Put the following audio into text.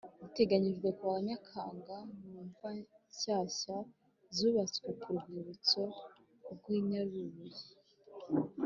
giteganyijwe kuwa Nyakanga mu mva nshyashya zubatswe ku rwibutso rw i Nyarubuye